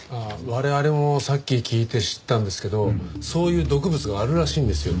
我々もさっき聞いて知ったんですけどそういう毒物があるらしいんですよ。